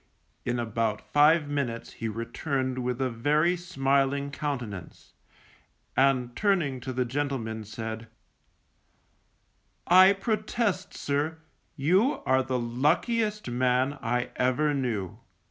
In about five minutes he returned with a very smiling countenance, and turning to the gentleman, said, _I protest sir, you are the luckiest man I ever knew.